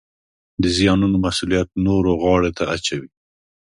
د زیانونو مسوولیت نورو غاړې ته اچوي